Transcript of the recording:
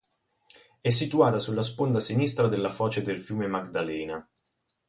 È situata sulla sponda sinistra della foce del fiume Magdalena.